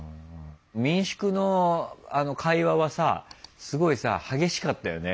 民宿のあの会話はさすごいさ激しかったよね。